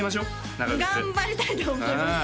長靴頑張りたいと思います